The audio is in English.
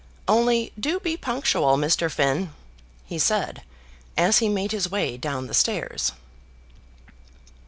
"Only do be punctual, Mr. Finn," he said, as he made his way down the stairs.